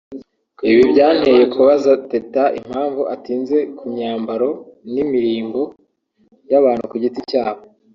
Ibi byanteye kubaza Teta impamvu atinze ku myambaro n’imirimbo y’abantu ku giti cyabo